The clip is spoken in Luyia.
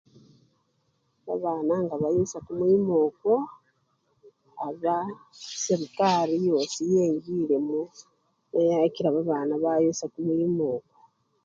Babana nga bayusya kumwima okwo, aba serekari yosi yengilemo neyakila babana bayusya kumwima okwo.